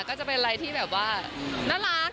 ก็จะเป็นอะไรที่แบบว่าน่ารัก